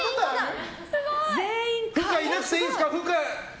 不可いなくていいですか？